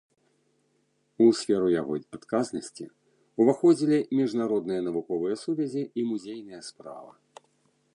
У сферу яго адказнасці ўваходзілі міжнародныя навуковыя сувязі і музейная справа.